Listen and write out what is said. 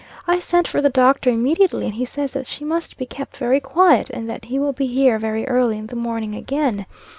I sent for the doctor immediately, and he says that she must be kept very quiet, and that he will be here very early in the morning again.